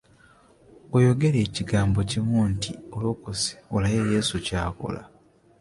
Ggwe yogera kigambo kimu nti olokose olabe Yesu ky'akola.